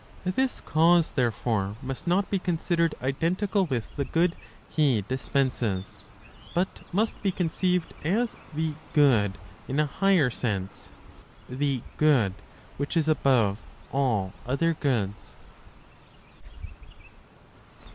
This Cause, therefore, must not be considered identical with the good He dispenses, but must be conceived as the Good in a higher sense, the Good which is above all other goods.